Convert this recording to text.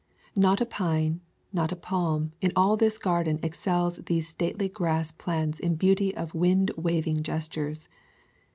Not a pine, not a palm, in all this garden excels these stately grass plants in beauty of wind waving gestures.